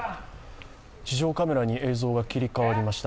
地上カメラに映像が切り替わりました。